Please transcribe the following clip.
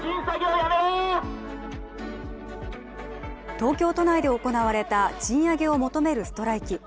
東京都内で行われた賃上げを求めるストライキ。